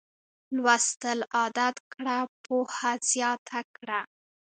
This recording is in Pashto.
لوستل عادت کړه پوهه زیاته کړه